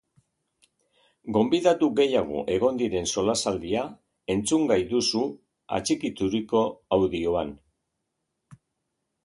Gobidatu gehiago egon diren solasaldia entzungai duzu atxikituriko audioan!